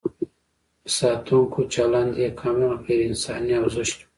د ساتونکو چلند یې کاملاً غیر انساني او زشت و.